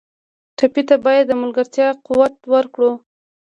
ټپي ته باید د ملګرتیا قوت ورکړو.